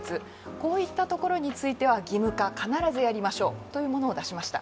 こういったところについては義務化、必ずやりましょうというものを出しました。